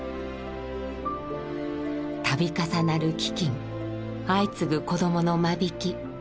度重なる飢饉相次ぐ子どもの間引き。